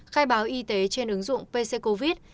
khai báo y tế trên ứng dụng pccovid